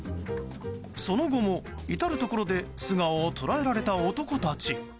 その後も、至るところで素顔を捉えられた男たち。